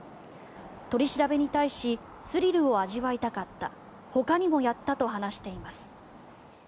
取り調べに対しスリルを味わいたかったほかにもやったと話しています。